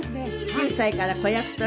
９歳から子役として。